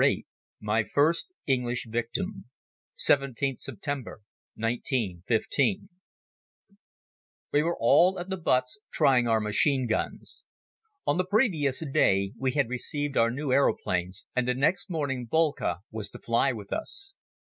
VIII My First English Victim. (17th September, 1915) WE were all at the Butts trying our machine guns. On the previous day we had received our new aeroplanes and the next morning Boelcke was to fly with us.